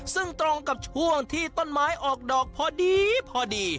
ซึ่งตรงกับช่วงที่ต้นไม้ออกดอกพอดีพอดี